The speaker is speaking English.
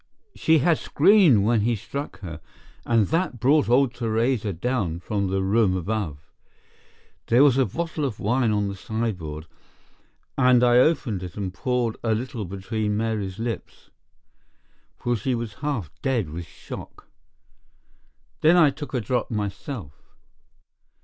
"She had screamed when he struck her, and that brought old Theresa down from the room above. There was a bottle of wine on the sideboard, and I opened it and poured a little between Mary's lips, for she was half dead with shock. Then I took a drop myself.